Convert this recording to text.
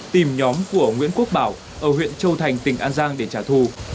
tìm nhóm của nguyễn quốc bảo ở huyện châu thành tỉnh an giang để trả thù